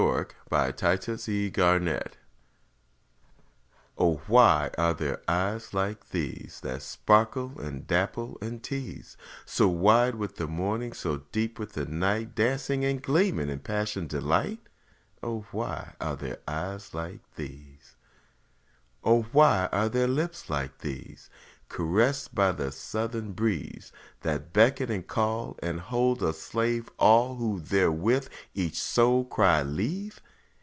Looking at a Portrait O WHY are there eyes like these, That sparkle and dapple and tease, So wide with the morning, so deep with the night, Dancing and gleaming in passioned delight? O why are there eyes like these? O why are there lips like these? Caressed by the southern breeze, That beckon and call and hold a slave All who therewith each soul cry leave?